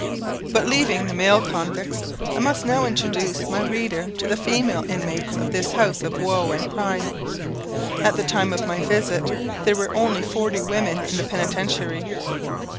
But leaving the male convicts, I must now introduce my reader to the female inmates of this house of woe and crime. At the time of my visit, there were only forty women in the Penitentiary.